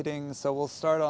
dan kemudian ke biru